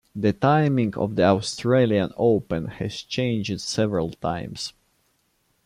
The timing of the Australian Open has changed several times.